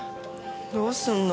どうすんの？